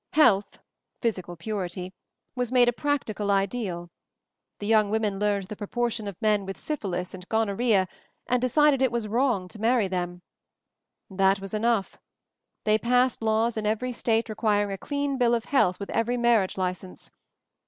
Health — physical purity — was made a practical ideal. The young women learned the proportion of men with syphilis and gonorrhoea and de cided it was wrong to marry them. That was enough. They passed laws in every State requiring a clean bill of health with every marriage license.